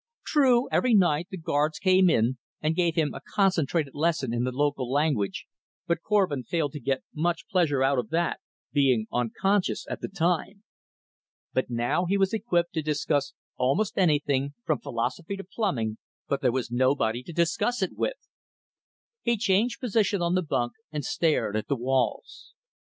True, every night the guards came in and gave him a concentrated lesson in the local language, but Korvin failed to get much pleasure out of that, being unconscious at the time. But now he was equipped to discuss almost anything from philosophy to plumbing, but there was nobody to discuss it with. He changed position on the bunk and stared at the walls.